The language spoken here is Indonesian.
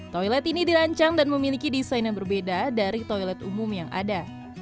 toilet ini dirancang dan memiliki desain yang berbeda dari toilet umum yang ada